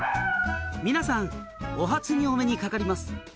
「皆さんお初にお目にかかります」